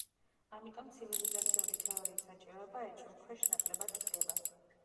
ამიტომ ცივილიზაციური თეორიის საჭიროება ეჭვქვეშ ნაკლებად დგება.